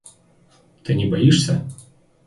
Ты не боишься?